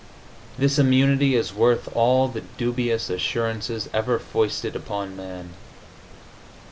This immunity is worth all the dubious assurances ever foisted upon man.